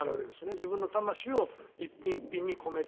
自分の魂を１品１品に込めて。